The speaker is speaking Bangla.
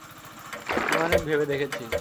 আমি অনেক ভেবে দেখেছি।